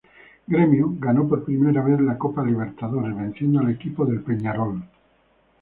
Grêmio ganó por primera vez la Copa Libertadores, venciendo al equipo del Peñarol.